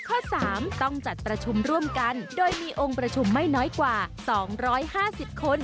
ข้อ๓ต้องจัดประชุมร่วมกันโดยมีองค์ประชุมไม่น้อยกว่า๒๕๐คน